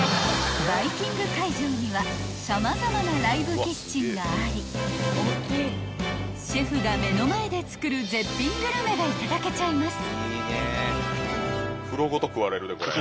［バイキング会場には様々なライブキッチンがありシェフが目の前で作る絶品グルメがいただけちゃいます］